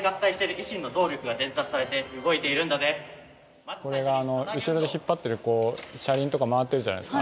こいつは下で合体してるこれがあの後ろで引っ張ってる車輪とか回ってるじゃないですか。